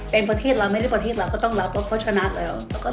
เป็นประเทศเราไม่ได้ประเทศเราก็ต้องรับเพราะเขาชนะแล้ว